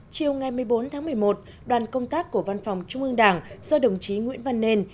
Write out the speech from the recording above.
chiều ngày một mươi bốn tháng một mươi một đoàn công tác của văn phòng trung ương đảng do đồng chí nguyễn văn nền